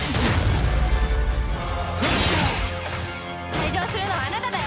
退場するのはあなただよ！